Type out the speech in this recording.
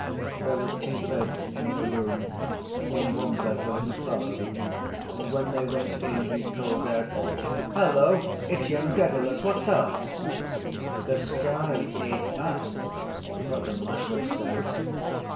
There were two beds in the room and in one bed there was a fellow: and when they went in he called out: —Hello! It’s young Dedalus! What’s up? —The sky is up, Brother Michael said.